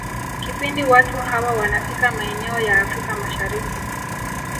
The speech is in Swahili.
Kipindi watu hawa wanafika maeneo ya Afrika Mashariki